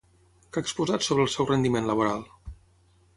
Què ha exposat sobre el seu rendiment laboral?